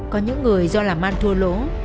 có những người do làm an thua lỗ